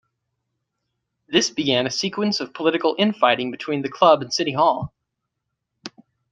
This began a sequence of political infighting between the club and City Hall.